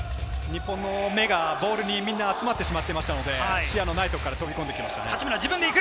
日本の目がボールに目が集まっていましたので、視野のないところから飛び込んできまし